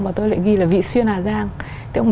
và tôi lại ghi là vị xuyên hà giang